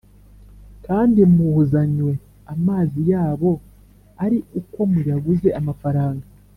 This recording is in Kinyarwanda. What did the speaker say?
kandi muzanywe amazi yabo ari uko muyaguze amafaranga